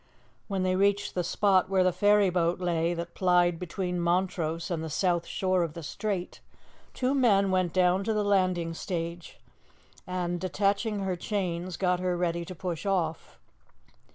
When they reached the spot where the ferry boat lay that plied between Montrose and the south shore of the strait, two men went down to the landing stage, and, detaching her chains, got her ready to push off.